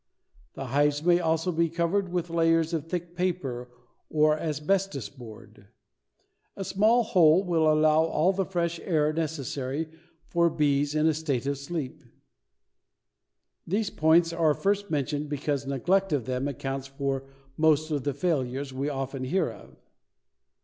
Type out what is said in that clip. The hives may also be covered with layers of thick paper or asbestos board. A small hole will allow all of the fresh air necessary for bees in a state of sleep. These points are first mentioned because neglect of them accounts for most of the failures we often hear of.